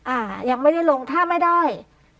อ่ายังไม่ได้ลงถ้าไม่ได้